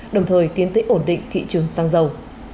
đồng thời tiến tới ổn định thị trường xăng dầu